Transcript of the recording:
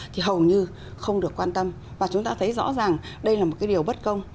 thì hầu như không được quan tâm và chúng ta thấy rõ ràng đây là một cái điều bất công